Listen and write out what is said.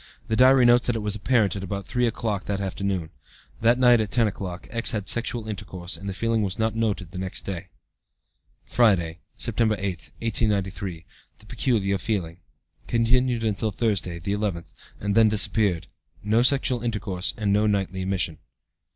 (The diary notes that it was apparent at about 3 o'clock that afternoon. That night at 10 o'clock, X. had sexual intercourse, and the feeling was not noted the next day.) "Friday, September 8, 1893. The peculiar feeling. (Continued until Tuesday, the 11th, and then disappeared. No sexual intercourse, and no nightly emission.)